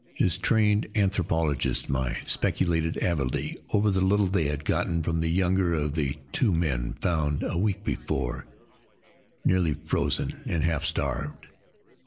His trained anthropologist's mind speculated avidly over the little they had gotten from the younger of the two men found nearly a week before, nearly frozen and half starved.